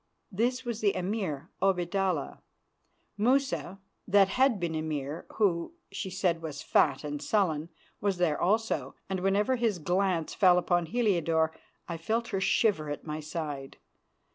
This was the Emir Obaidallah. Musa, that had been Emir, who, she said, was fat and sullen, was there also, and whenever his glance fell upon Heliodore I felt her shiver at my side.